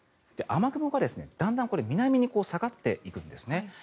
雨雲が、だんだん南に下がっていくんですね。